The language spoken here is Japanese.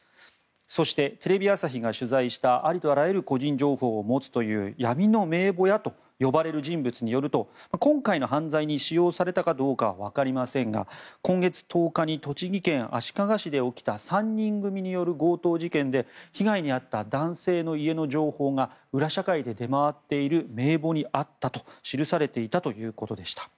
そして、テレビ朝日が取材したありとあらゆる個人情報を持つという闇の名簿屋と呼ばれる人物によると今回の犯罪に使用されたかどうかはわかりませんが今月１０日に栃木県足利市で起きた３人組による強盗事件で被害に遭った男性の家の情報が裏社会で出回っている名簿にあったと記されていたということでした。